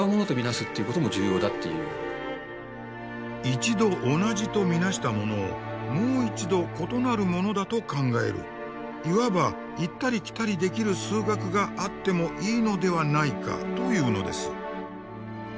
一度同じと見なしたものをもう一度異なるものだと考えるいわば行ったり来たりできる数学があってもいいのではないかというのです。